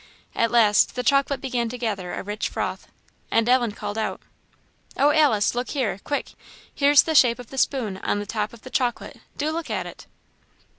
At last the chocolate began to gather a rich froth, and Ellen called out "Oh, Alice! look here quick! here's the shape of the spoon on the top of the chocolate! do look at it."